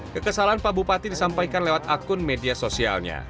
kekesalan pak bupati disampaikan lewat akun media sosialnya